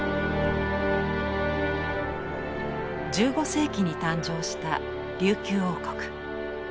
１５世紀に誕生した琉球王国。